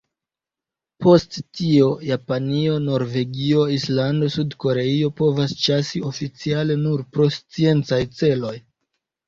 Post tio Japanio, Norvegio, Islando, Sud-Koreio povas ĉasi oficiale nur pro sciencaj celoj.